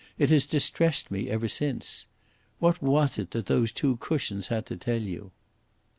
It has distressed me ever since. What was it that those two cushions had to tell you?"